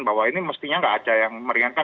bahwa ini mestinya nggak ada yang meringankan